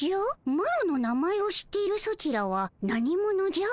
マロの名前を知っているソチらは何者じゃ？